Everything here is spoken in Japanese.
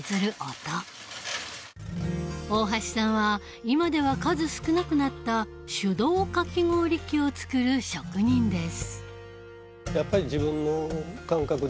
音大橋さんは今では数少なくなった手動かき氷機を作る職人です